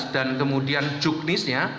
dan kemudian juknisnya